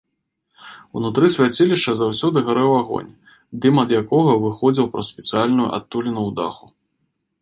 Унутры свяцілішча заўсёды гарэў агонь, дым ад якога выходзіў праз спецыяльную адтуліну ў даху.